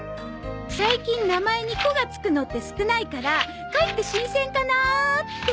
最近名前に「子」がつくのって少ないからかえって新鮮かなって。